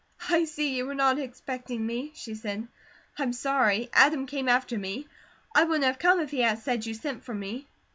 "I see you were not expecting me," she said. "I'm sorry. Adam came after me. I wouldn't have come if he hadn't said you sent for me."